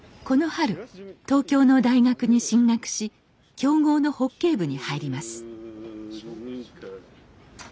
この春東京の大学に進学し強豪のホッケー部に入ります